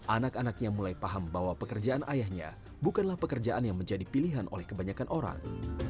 anak anaknya mulai paham bahwa pekerjaan ayahnya bukanlah pekerjaan yang menjadi pilihan oleh kebanyakan orang